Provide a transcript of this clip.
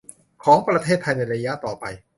ของประเทศไทยในระยะต่อไป